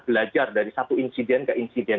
belajar dari satu insiden ke insiden